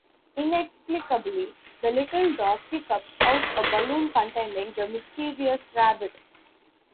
Inexplicably, the little dog hiccups out a balloon containing the mischievous rabbit.